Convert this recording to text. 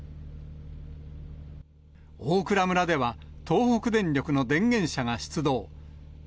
大蔵村では、東北電力の電源車が出動。